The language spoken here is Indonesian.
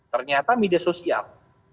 ternyata media sosial